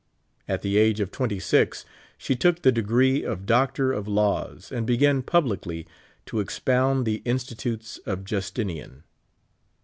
At the age of twenty six she took the degree of doctor of laws, and began publicly to expound the Institutes of Justinian.